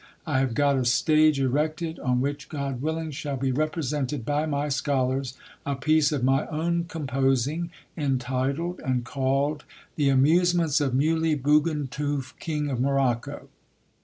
I have got a stage erected, on which, God willing, shall be repre sented by my scholars a piece of my own composing, entitled and called — The Amusements of Muley Btigentuf King of Morocco.